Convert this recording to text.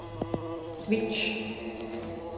Svičs.